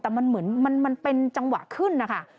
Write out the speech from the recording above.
แต่มันเหมือนมันเป็นจังหวะขึ้นนะคะ